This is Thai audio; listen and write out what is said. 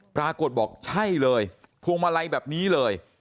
ปรากฏบอกใช่เลยพวงมาลัยแบบนี้เลย